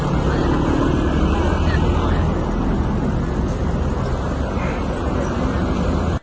ดูว่าน้ำหมดหมดหมดหกคนนะครับ